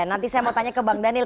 nanti saya mau tanya ke bang daniel